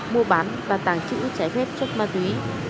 mua bán và tàng trữ trái phép chất ma túy